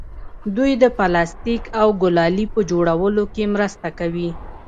دوی د پلاستیک او ګلالي په جوړولو کې مرسته کوي.